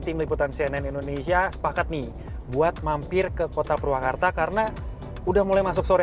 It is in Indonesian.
tim liputan cnn indonesia sepakat nih buat mampir ke kota purwakarta karena udah mulai masuk sore